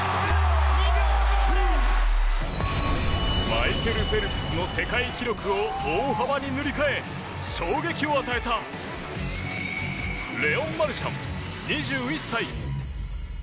マイケル・フェルプスの世界記録を大幅に塗り替え衝撃を与えたレオン・マルシャン、２１歳。